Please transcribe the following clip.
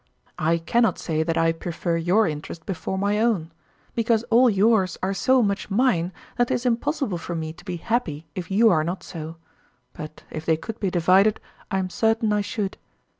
I cannot say that I prefer your interest before my own, because all yours are so much mine that 'tis impossible for me to be happy if you are not so; but if they could be divided I am certain I should.